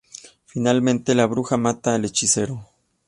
Finalmente, la bruja mata al hechicero.